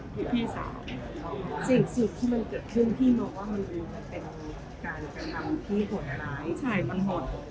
ที่มันเกิดขึ้นที่เริ่มเป็นทางนำที่หดร้าย